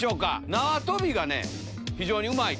縄跳びが非常にうまい。